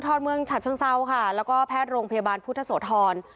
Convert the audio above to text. ทรเมืองฉัดเชิงเซาค่ะแล้วก็แพทย์โรงพยาบาลพุทธโสธร